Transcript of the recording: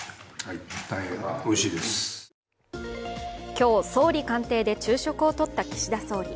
今日、総理官邸で昼食をとった岸田総理。